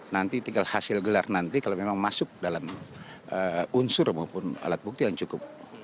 nanti tinggal hasil gelar nanti kalau memang masuk dalam unsur maupun alat bukti yang cukup